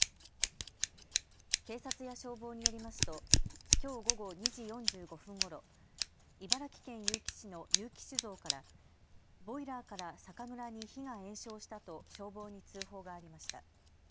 警察や消防によりますときょう午後２時４５分ごろ、茨城県結城市の結城酒造からボイラーから酒蔵に火が延焼したと消防に通報がありました。